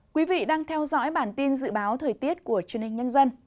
quý vị đang theo dõi bản tin dự báo thời tiết của truyền hình nhân dân